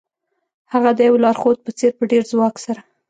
هغه د یو لارښود په څیر په ډیر ځواک سره